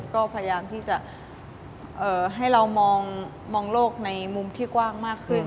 ก็พยายามที่จะให้เรามองโลกในมุมที่กว้างมากขึ้น